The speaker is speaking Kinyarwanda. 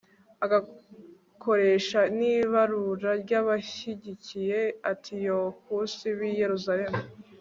agakoresha n'ibarura ry'abashyigikiye antiyokusi b'i yeruzalemu